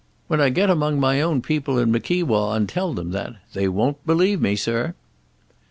When I get among my own people in Mickewa and tell them that, they won't believe me, sir."